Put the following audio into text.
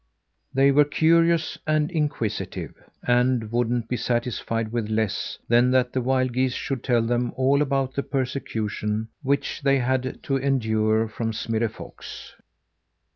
They were curious and inquisitive, and wouldn't be satisfied with less than that the wild geese should tell them all about the persecution which they had to endure from Smirre Fox.